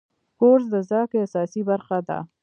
کورس د زده کړې اساسي برخه ده.